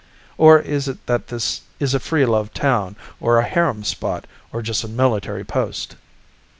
"Or is it that this is a free love town or a harem spot, or just a military post?"